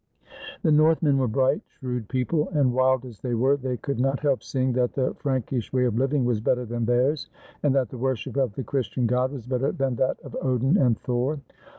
The Northmen were bright, shrewd people; and, wild as they were, they could not help seeing that the Frank ish way of living was better than theirs, and that the worship of the Christian God was better than that of Odin and Thor.